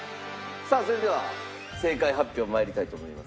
さあそれでは正解発表参りたいと思います。